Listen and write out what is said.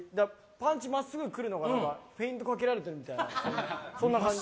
パンチまっすぐくるはずがフェイントかけられてるみたい、そんな感じ。